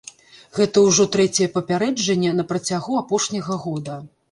Гэта ўжо трэцяе папярэджанне на працягу апошняга года.